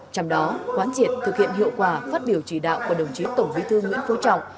trong đó quán triệt thực hiện hiệu quả phát biểu chỉ đạo của đồng chí tổng bí thư nguyễn phú trọng